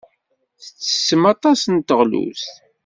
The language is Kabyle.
Tettessem aṭas n teɣlust.